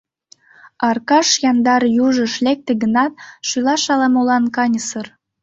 Аркаш яндар южыш лекте гынат, шӱлаш ала-молан каньысыр.